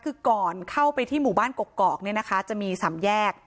คือก่อนเข้าไปที่หมู่บ้านกกอกเนี่ยนะคะจะมี๓แยก